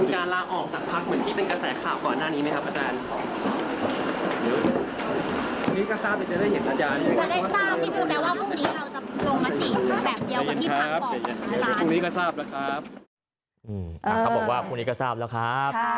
ครับบอกว่าคุณอิกก็ทราบแล้วครับ